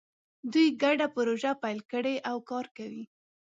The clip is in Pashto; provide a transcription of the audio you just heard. دوی ګډه پروژه پیل کړې او کار کوي